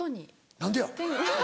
何でや？